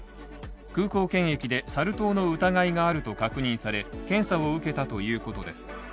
空港検疫でサル痘の疑いがあると確認され検査を受けたということです。